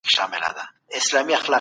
خلګ نامرئي واک ته باور کوي.